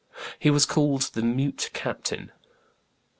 He was called the mute captain.